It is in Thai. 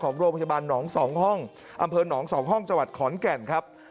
โรงพยาบาลหนอง๒ห้องอำเภอหนอง๒ห้องจังหวัดขอนแก่นครับ